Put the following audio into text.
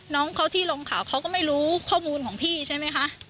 น้องเขาที่ลงข่าวเขาก็ไม่รู้ข้อมูลของพี่ใช่ไหมคะ